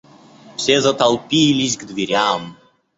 Все затолпились к дверям.